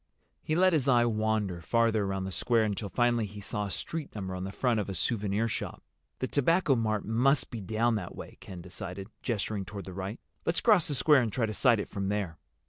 He let his eye wander farther around the square until finally he saw a street number on the front of a souvenir shop. "The Tobacco Mart must be down that way," Ken decided, gesturing toward the right. "Let's cross the square and try to sight it from there."